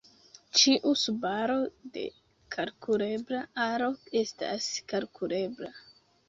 Ĉiu subaro de kalkulebla aro estas kalkulebla.